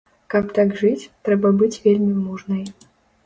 Каб так жыць, трэба быць вельмі мужнай.